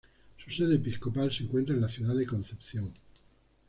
Su sede episcopal se encuentra en la ciudad de Concepción.